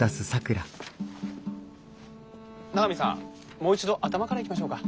もう一度頭からいきましょうか。